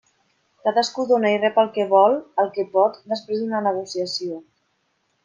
Cadascú dóna i rep el que vol, el que pot, després d'una negociació.